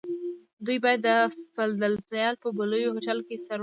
دوی باید د فلادلفیا په بلوویو هوټل کې سره و ګوري